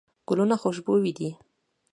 ګلونه خوشبوي دي.